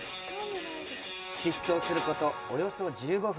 疾走すること、およそ１５分。